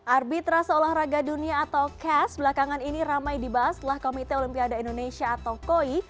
arbitrase olahraga dunia atau cas belakangan ini ramai dibahas setelah komite olimpiade indonesia atau koi